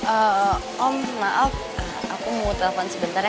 eh om maaf aku mau telfon sebentar ya